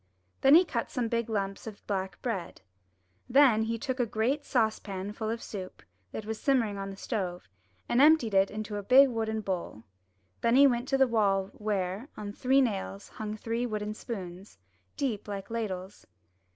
Then he cut some big lumps of black bread. Then he took a great saucepan full of soup, that was simmering on the stove, and emptied it into a big wooden bowl. Then he went to the wall where, on three nails, hung three wooden spoons, deep like ladles.